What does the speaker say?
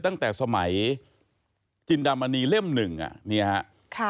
ตั้งแต่สมัยจินดามณีเล่มหนึ่งอ่ะเนี่ยฮะ